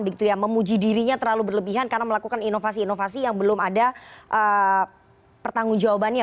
begitu ya memuji dirinya terlalu berlebihan karena melakukan inovasi inovasi yang belum ada pertanggung jawabannya